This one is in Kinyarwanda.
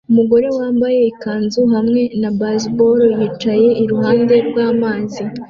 Umugore wambaye ikanzu hamwe na baseball yicaye iruhande rwamazi